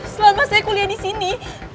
selama saya kuliah di sini